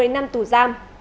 một mươi năm tù giam